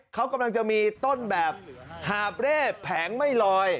เขากำลังจะมีต้นแบบหาบเร่แผงไม่ลอย